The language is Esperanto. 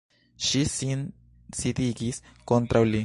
Ŝi sin sidigis kontraŭ li.